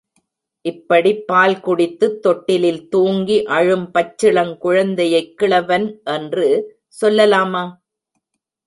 இப்படிப் பால் குடித்துத் தொட்டிலில் தூங்கி அழும் பச்சிளங் குழந்தையைக் கிழவன் என்று சொல்லலாமா?